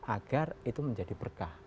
agar itu menjadi berkah